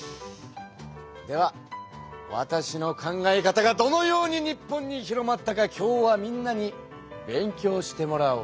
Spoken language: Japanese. ではわたしの考え方がどのように日本に広まったか今日はみんなに勉強してもらおう。